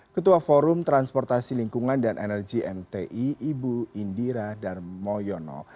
ketua forum transportasi lingkungan dan energi mti ibu indira darmoyono